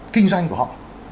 kinh doanh của họ